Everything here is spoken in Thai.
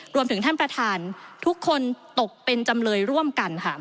รวมถึงท่านประธานทุกคนตกเป็นจำเลยร่วมกันค่ะ